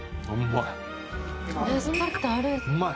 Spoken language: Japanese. うまい。